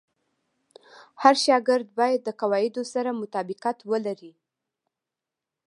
هر شاګرد باید د قواعدو سره مطابقت ولري.